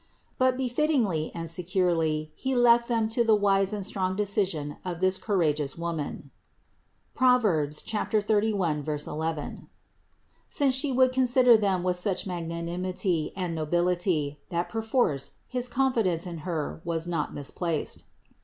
But befittingly and securely He left them to the wise and strong decision of this courageous Woman (Prov. 31, 11), since She would consider them with such mag nanimity and nobility, that perforce his confidence in Her was not misplaced.